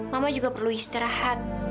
mama juga perlu istirahat